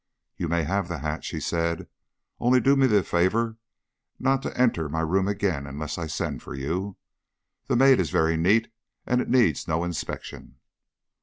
"You may have the hat," she said. "Only do me the favour not to enter my room again unless I send for you. The maid is very neat, and it needs no inspection."